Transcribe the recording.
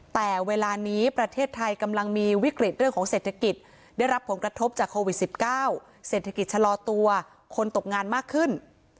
แต่เวลานี้ประเทศไทยกำลังมีวิกฤตเรื่องของเศรษฐกิจได้รับผลกระทบจากโควิด๑๙เศรษฐกิจชะลอตัวคนตกงานมากขึ้น